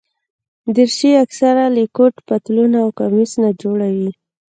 دریشي اکثره له کوټ، پتلون او کمیس نه جوړه وي.